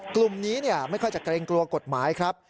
กลุ่มนี้ไม่ค่อยจะเกรงกลัวกฎหมายครับ